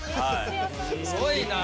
・すごいなあ。